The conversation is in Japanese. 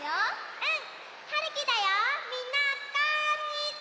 うん！